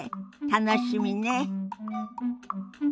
楽しみね。